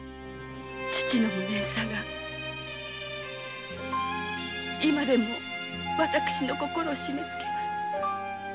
父の無念さが今でも私の心を締めつけます。